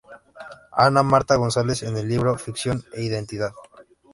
Ana Marta González en el libro "Ficción e identidad.